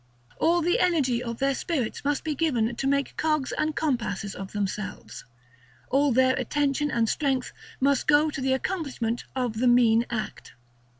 All the energy of their spirits must be given to make cogs and compasses of themselves. All their attention and strength must go to the accomplishment of the mean act.